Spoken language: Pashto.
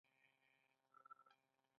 له همدې کبله یې بیه له ارزښت څخه ټیټه وي